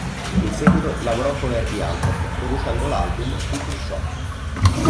In seguito lavorò con Herbie Hancock, producendo l'album "Future Shock".